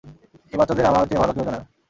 এই বাচ্চাদের আমার চেয়ে ভালো কেউ জানে না।